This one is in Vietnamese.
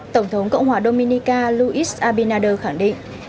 tổng thống cộng hòa dominica luis abinader khẳng định